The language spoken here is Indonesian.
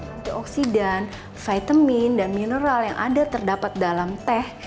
antioksidan vitamin dan mineral yang ada terdapat dalam teh